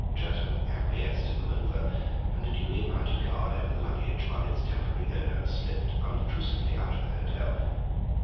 Jerton acquiesced in the manœuvre, and duly mounted guard over the luggage while its temporary owner slipped unobtrusively out of the hotel.